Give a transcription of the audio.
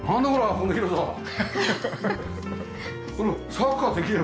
サッカーできるよ